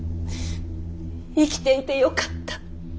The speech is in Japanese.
生きていてよかった。